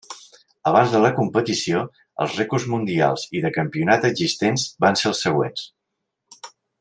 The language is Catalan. Abans de la competició, els rècords mundials i de campionat existents van ser els següents.